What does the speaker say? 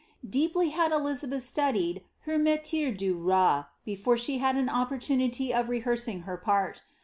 Deeply had Elisabeth atodiad her meiier du rot, before she had an oi^rtani^ of reheanin|; her part.